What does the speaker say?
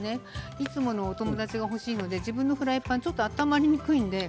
いつものお友達が欲しいので自分のフライパンちょっと温まりにくいので。